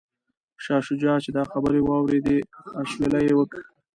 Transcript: شاه شجاع چې دا خبرې واوریدې اسویلی یې وکیښ.